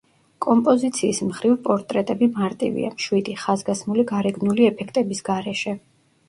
კომპოზიციის მხრივ პორტრეტები მარტივია, მშვიდი, ხაზგასმული გარეგნული ეფექტების გარეშე.